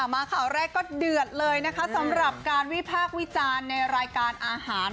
มาข่าวแรกก็เดือดเลยนะคะสำหรับการวิพากษ์วิจารณ์ในรายการอาหาร